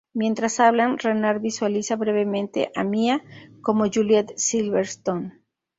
Mientras hablan, Renard visualiza brevemente a Mia como Juliette Silverton.